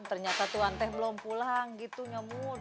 ternyata tuhan teh belum pulang gitu nyemut